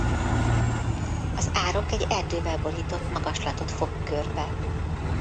Az árok egy erdővel borított magaslatot fog körbe.